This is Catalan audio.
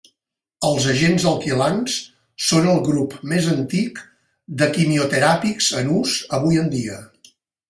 Els agents alquilants són el grup més antic de quimioteràpics en ús avui en dia.